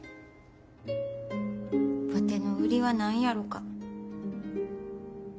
ワテの売りは何やろか。